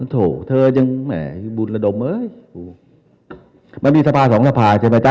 โถเธอยังแหมบุญระดมเฮ้ยมันมีสภาสองสภาใช่ไหมจ๊